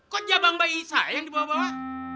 kok jabang bayi saya yang dibawa bawa